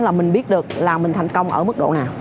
là mình biết được là mình thành công ở mức độ nào